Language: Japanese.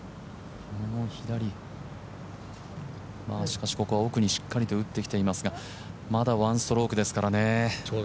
しかしここは奥にしっかりと打ってきていますがまだ１ストロークですからね。